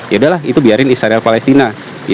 ya sudah lah itu biarkan di israel palestina